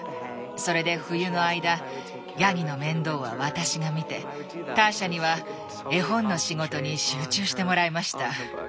それで冬の間ヤギの面倒は私が見てターシャには絵本の仕事に集中してもらいました。